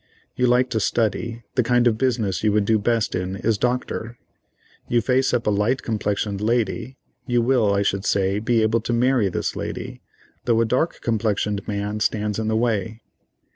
You like to study: the kind of business you would do best in is doctor. You face up a light complexioned lady; you will, I should say, be able to marry this lady, though a dark complexioned man stands in the way.